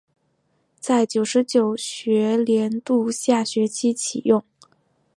在九十九学年度下学期启用。